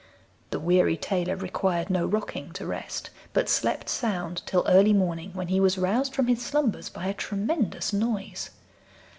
The weary tailor required no rocking to rest, but slept sound till early morning, when he was roused from his slumbers by a tremendous noise.